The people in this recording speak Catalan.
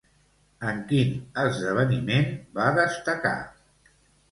En quin esdeveniment va destacar?